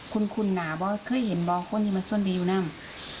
คุณคุณน่ะบอกเคยเห็นบอกเขาอยู่มาส่วนดีวนะครับ